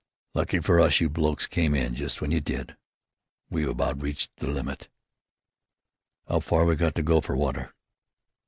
"Lucky fer us you blokes come in just w'en you did. We've about reached the limit." "'Ow far we got to go fer water?"